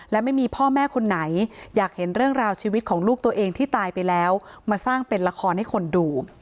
และไม่มีพ่อแม่คนไหนอยากเห็นเรื่องราวชีวิตของลูกตัวเองที่ตายไปแล้วมาสร้างเป็นละครให้คนดู